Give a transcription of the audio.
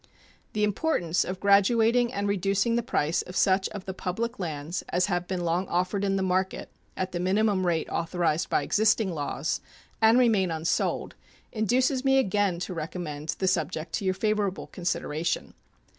The importance of graduating and reducing the price of such of the public lands as have been long offered in the market at the minimum rate authorized by existing laws, and remain unsold, induces me again to recommend the subject to your favorable consideration.